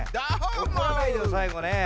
おこらないでよさいごね。